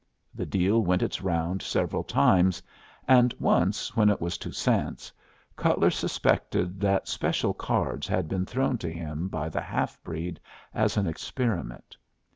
The deal went its round several times, and once, when it was Toussaint's, Cutler suspected that special cards had been thrown to him by the half breed as an experiment.